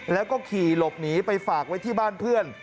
แล้วก็ขี่หลบหนีไปฝากไว้ที่บ้านเพื่อน